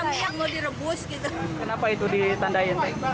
mau direbus gitu kenapa itu ditandain